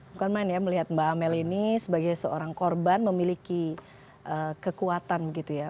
bukan main ya melihat mbak amel ini sebagai seorang korban memiliki kekuatan gitu ya